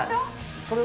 それは？